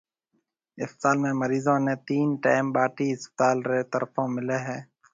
اسپتال ۾ مريضون نيَ تين ٽيئم ٻاٽِي اسپتال رِي طرفون مليَ ھيََََ